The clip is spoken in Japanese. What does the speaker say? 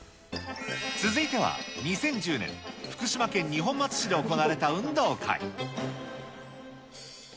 続いては２０１０年、福島県二本松市で行われた運動会。